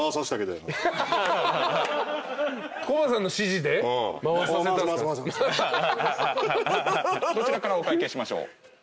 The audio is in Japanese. どちらからお会計しましょう？